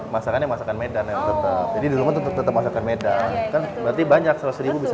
masakannya masakan medan yang tetap jadi dulu tetap tetap masakan medan kan berarti banyak seratus ribu bisa